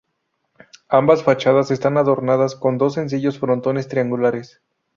Ambas fachadas están adornadas con dos sencillos frontones triangulares.